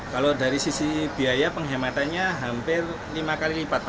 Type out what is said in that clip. kalau dari sisi biaya penghematannya hampir lima kali lipat